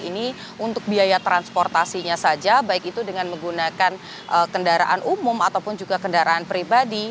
ini untuk biaya transportasinya saja baik itu dengan menggunakan kendaraan umum ataupun juga kendaraan pribadi